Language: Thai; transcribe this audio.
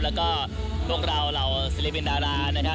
แล้วก็พวกเราเหล่าศิลปินดารานะครับ